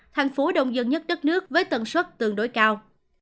thành phố đông dân nhất đất nước với tần suất tương đối cao